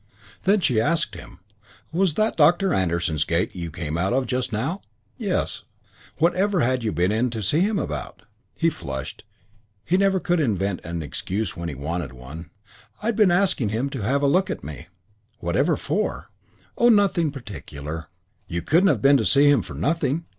Then she asked him, "Was that Doctor Anderson's gate you came out of just now?" "Yes." "Whatever had you been to see him about?" He flushed. He never could invent an excuse when he wanted one. "I'd been asking him to have a look at me." "Whatever for?" "Oh, nothing particular." "You couldn't have been to see him for nothing."